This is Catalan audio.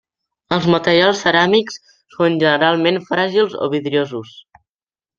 Els materials ceràmics són generalment fràgils o vidriosos.